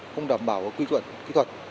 không đảm bảo có quy chuẩn kỹ thuật